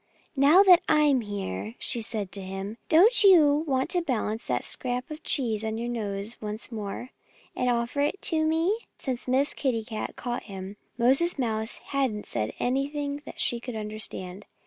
"Now that I'm here," she said to him, "don't you want to balance that scrap of cheese on your nose once more, and offer it to me?" Since Miss Kitty caught him, Moses Mouse hadn't said anything that she could understand.